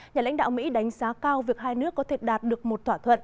nhà lãnh đạo mỹ đánh giá cao việc hai nước có thể đạt được một thỏa thuận